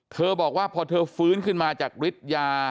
เธอบอกว่าพอเธอฟื้นขึ้นมาจากวิทยา